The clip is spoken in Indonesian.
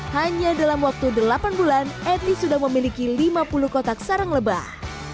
hanya dalam waktu delapan bulan etnis sudah memiliki lima puluh kotak sarang lebah